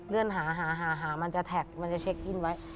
เลื่อนหาหามันจะแท็กมันจะเช็คอินไว้